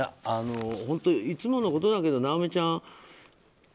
本当にいつものことだけど尚美ちゃん